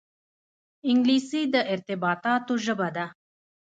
انګلیسي د ارتباطاتو ژبه ده